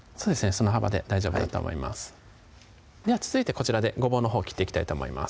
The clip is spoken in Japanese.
その幅で大丈夫だと思いますでは続いてこちらでごぼうのほう切っていきたいと思います